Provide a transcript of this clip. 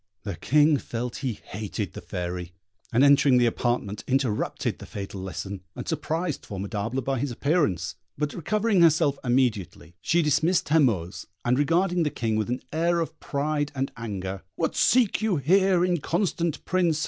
The King felt he hated the Fairy; and entering the apartment, interrupted the fatal lesson, and surprised Formidable by his appearance; but recovering herself immediately, she dismissed her Moors, and regarding the King with an air of pride and anger, "What seek you here, inconstant Prince?"